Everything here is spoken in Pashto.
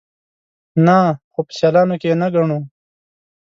_نه، خو په سيالانو کې يې نه ګڼو.